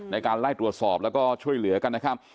ในการไล่ตรวจสอบแล้วก็ช่วยเหลือกันนะครับ